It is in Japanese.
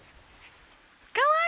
かわいい！